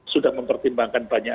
sudah mempertimbangkan banyak